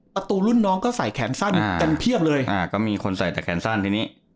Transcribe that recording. ประตูรุ่นน้องก็ใส่แขนสั้นกันเพียบเลยอ่าก็มีคนใส่แต่แขนสั้นทีนี้